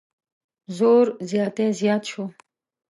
زور زیاتی زیات شو.